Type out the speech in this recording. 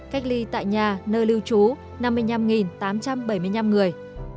cách ly tại nhà nơi lưu trú năm mươi năm tám trăm bảy mươi năm người